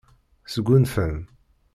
Sgunfan.